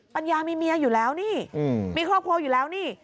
ปัญญามีเมียอยู่แล้วนี่มีครอบครัวอยู่แล้วนี่